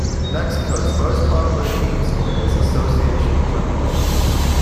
Mexico's most popular team sport is association football.